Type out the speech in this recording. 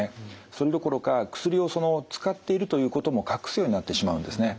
それどころか薬を使っているということも隠すようになってしまうんですね。